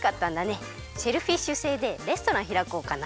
シェルフィッシュ星でレストランひらこうかな。